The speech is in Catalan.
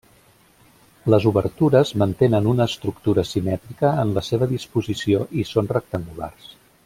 Les obertures mantenen una estructura simètrica en la seva disposició, i són rectangulars.